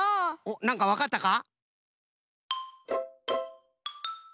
なんかわかったか？